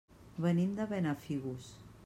Venim de Benafigos.